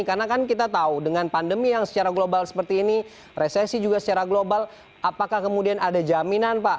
karena kan kita tahu dengan pandemi yang secara global seperti ini resesi juga secara global apakah kemudian ada jaminan pak